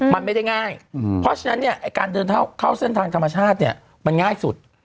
มันไม่ได้ง่ายเพราะฉะนั้นการเดินเข้าเส้นทางธรรมชาติมันง่ายสุด